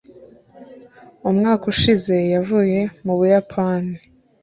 umwaka ushize yavuye mu buyapani